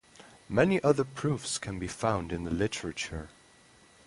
Many other proofs can be found in the literature.